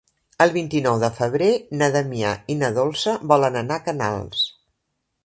El vint-i-nou de febrer na Damià i na Dolça volen anar a Canals.